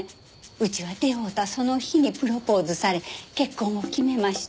うちは出会うたその日にプロポーズされ結婚を決めました。